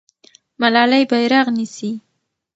ملالۍ بیرغ نیسي.